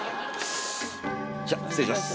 じゃあ失礼します。